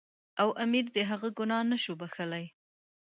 او امیر د هغه ګناه نه شو بخښلای.